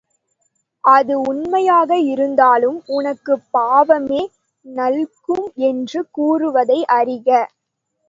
அது உண்மையாக இருந்தாலும் உனக்குப் பாவமே நல்கும் என்று கூறுவதை அறிக.